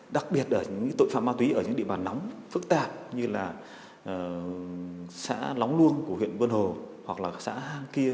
đặc biệt là những tội phạm ma túy ở những địa bàn nóng phức tạp như là xã lóng luông của huyện vân hồ hoặc là xã hang kia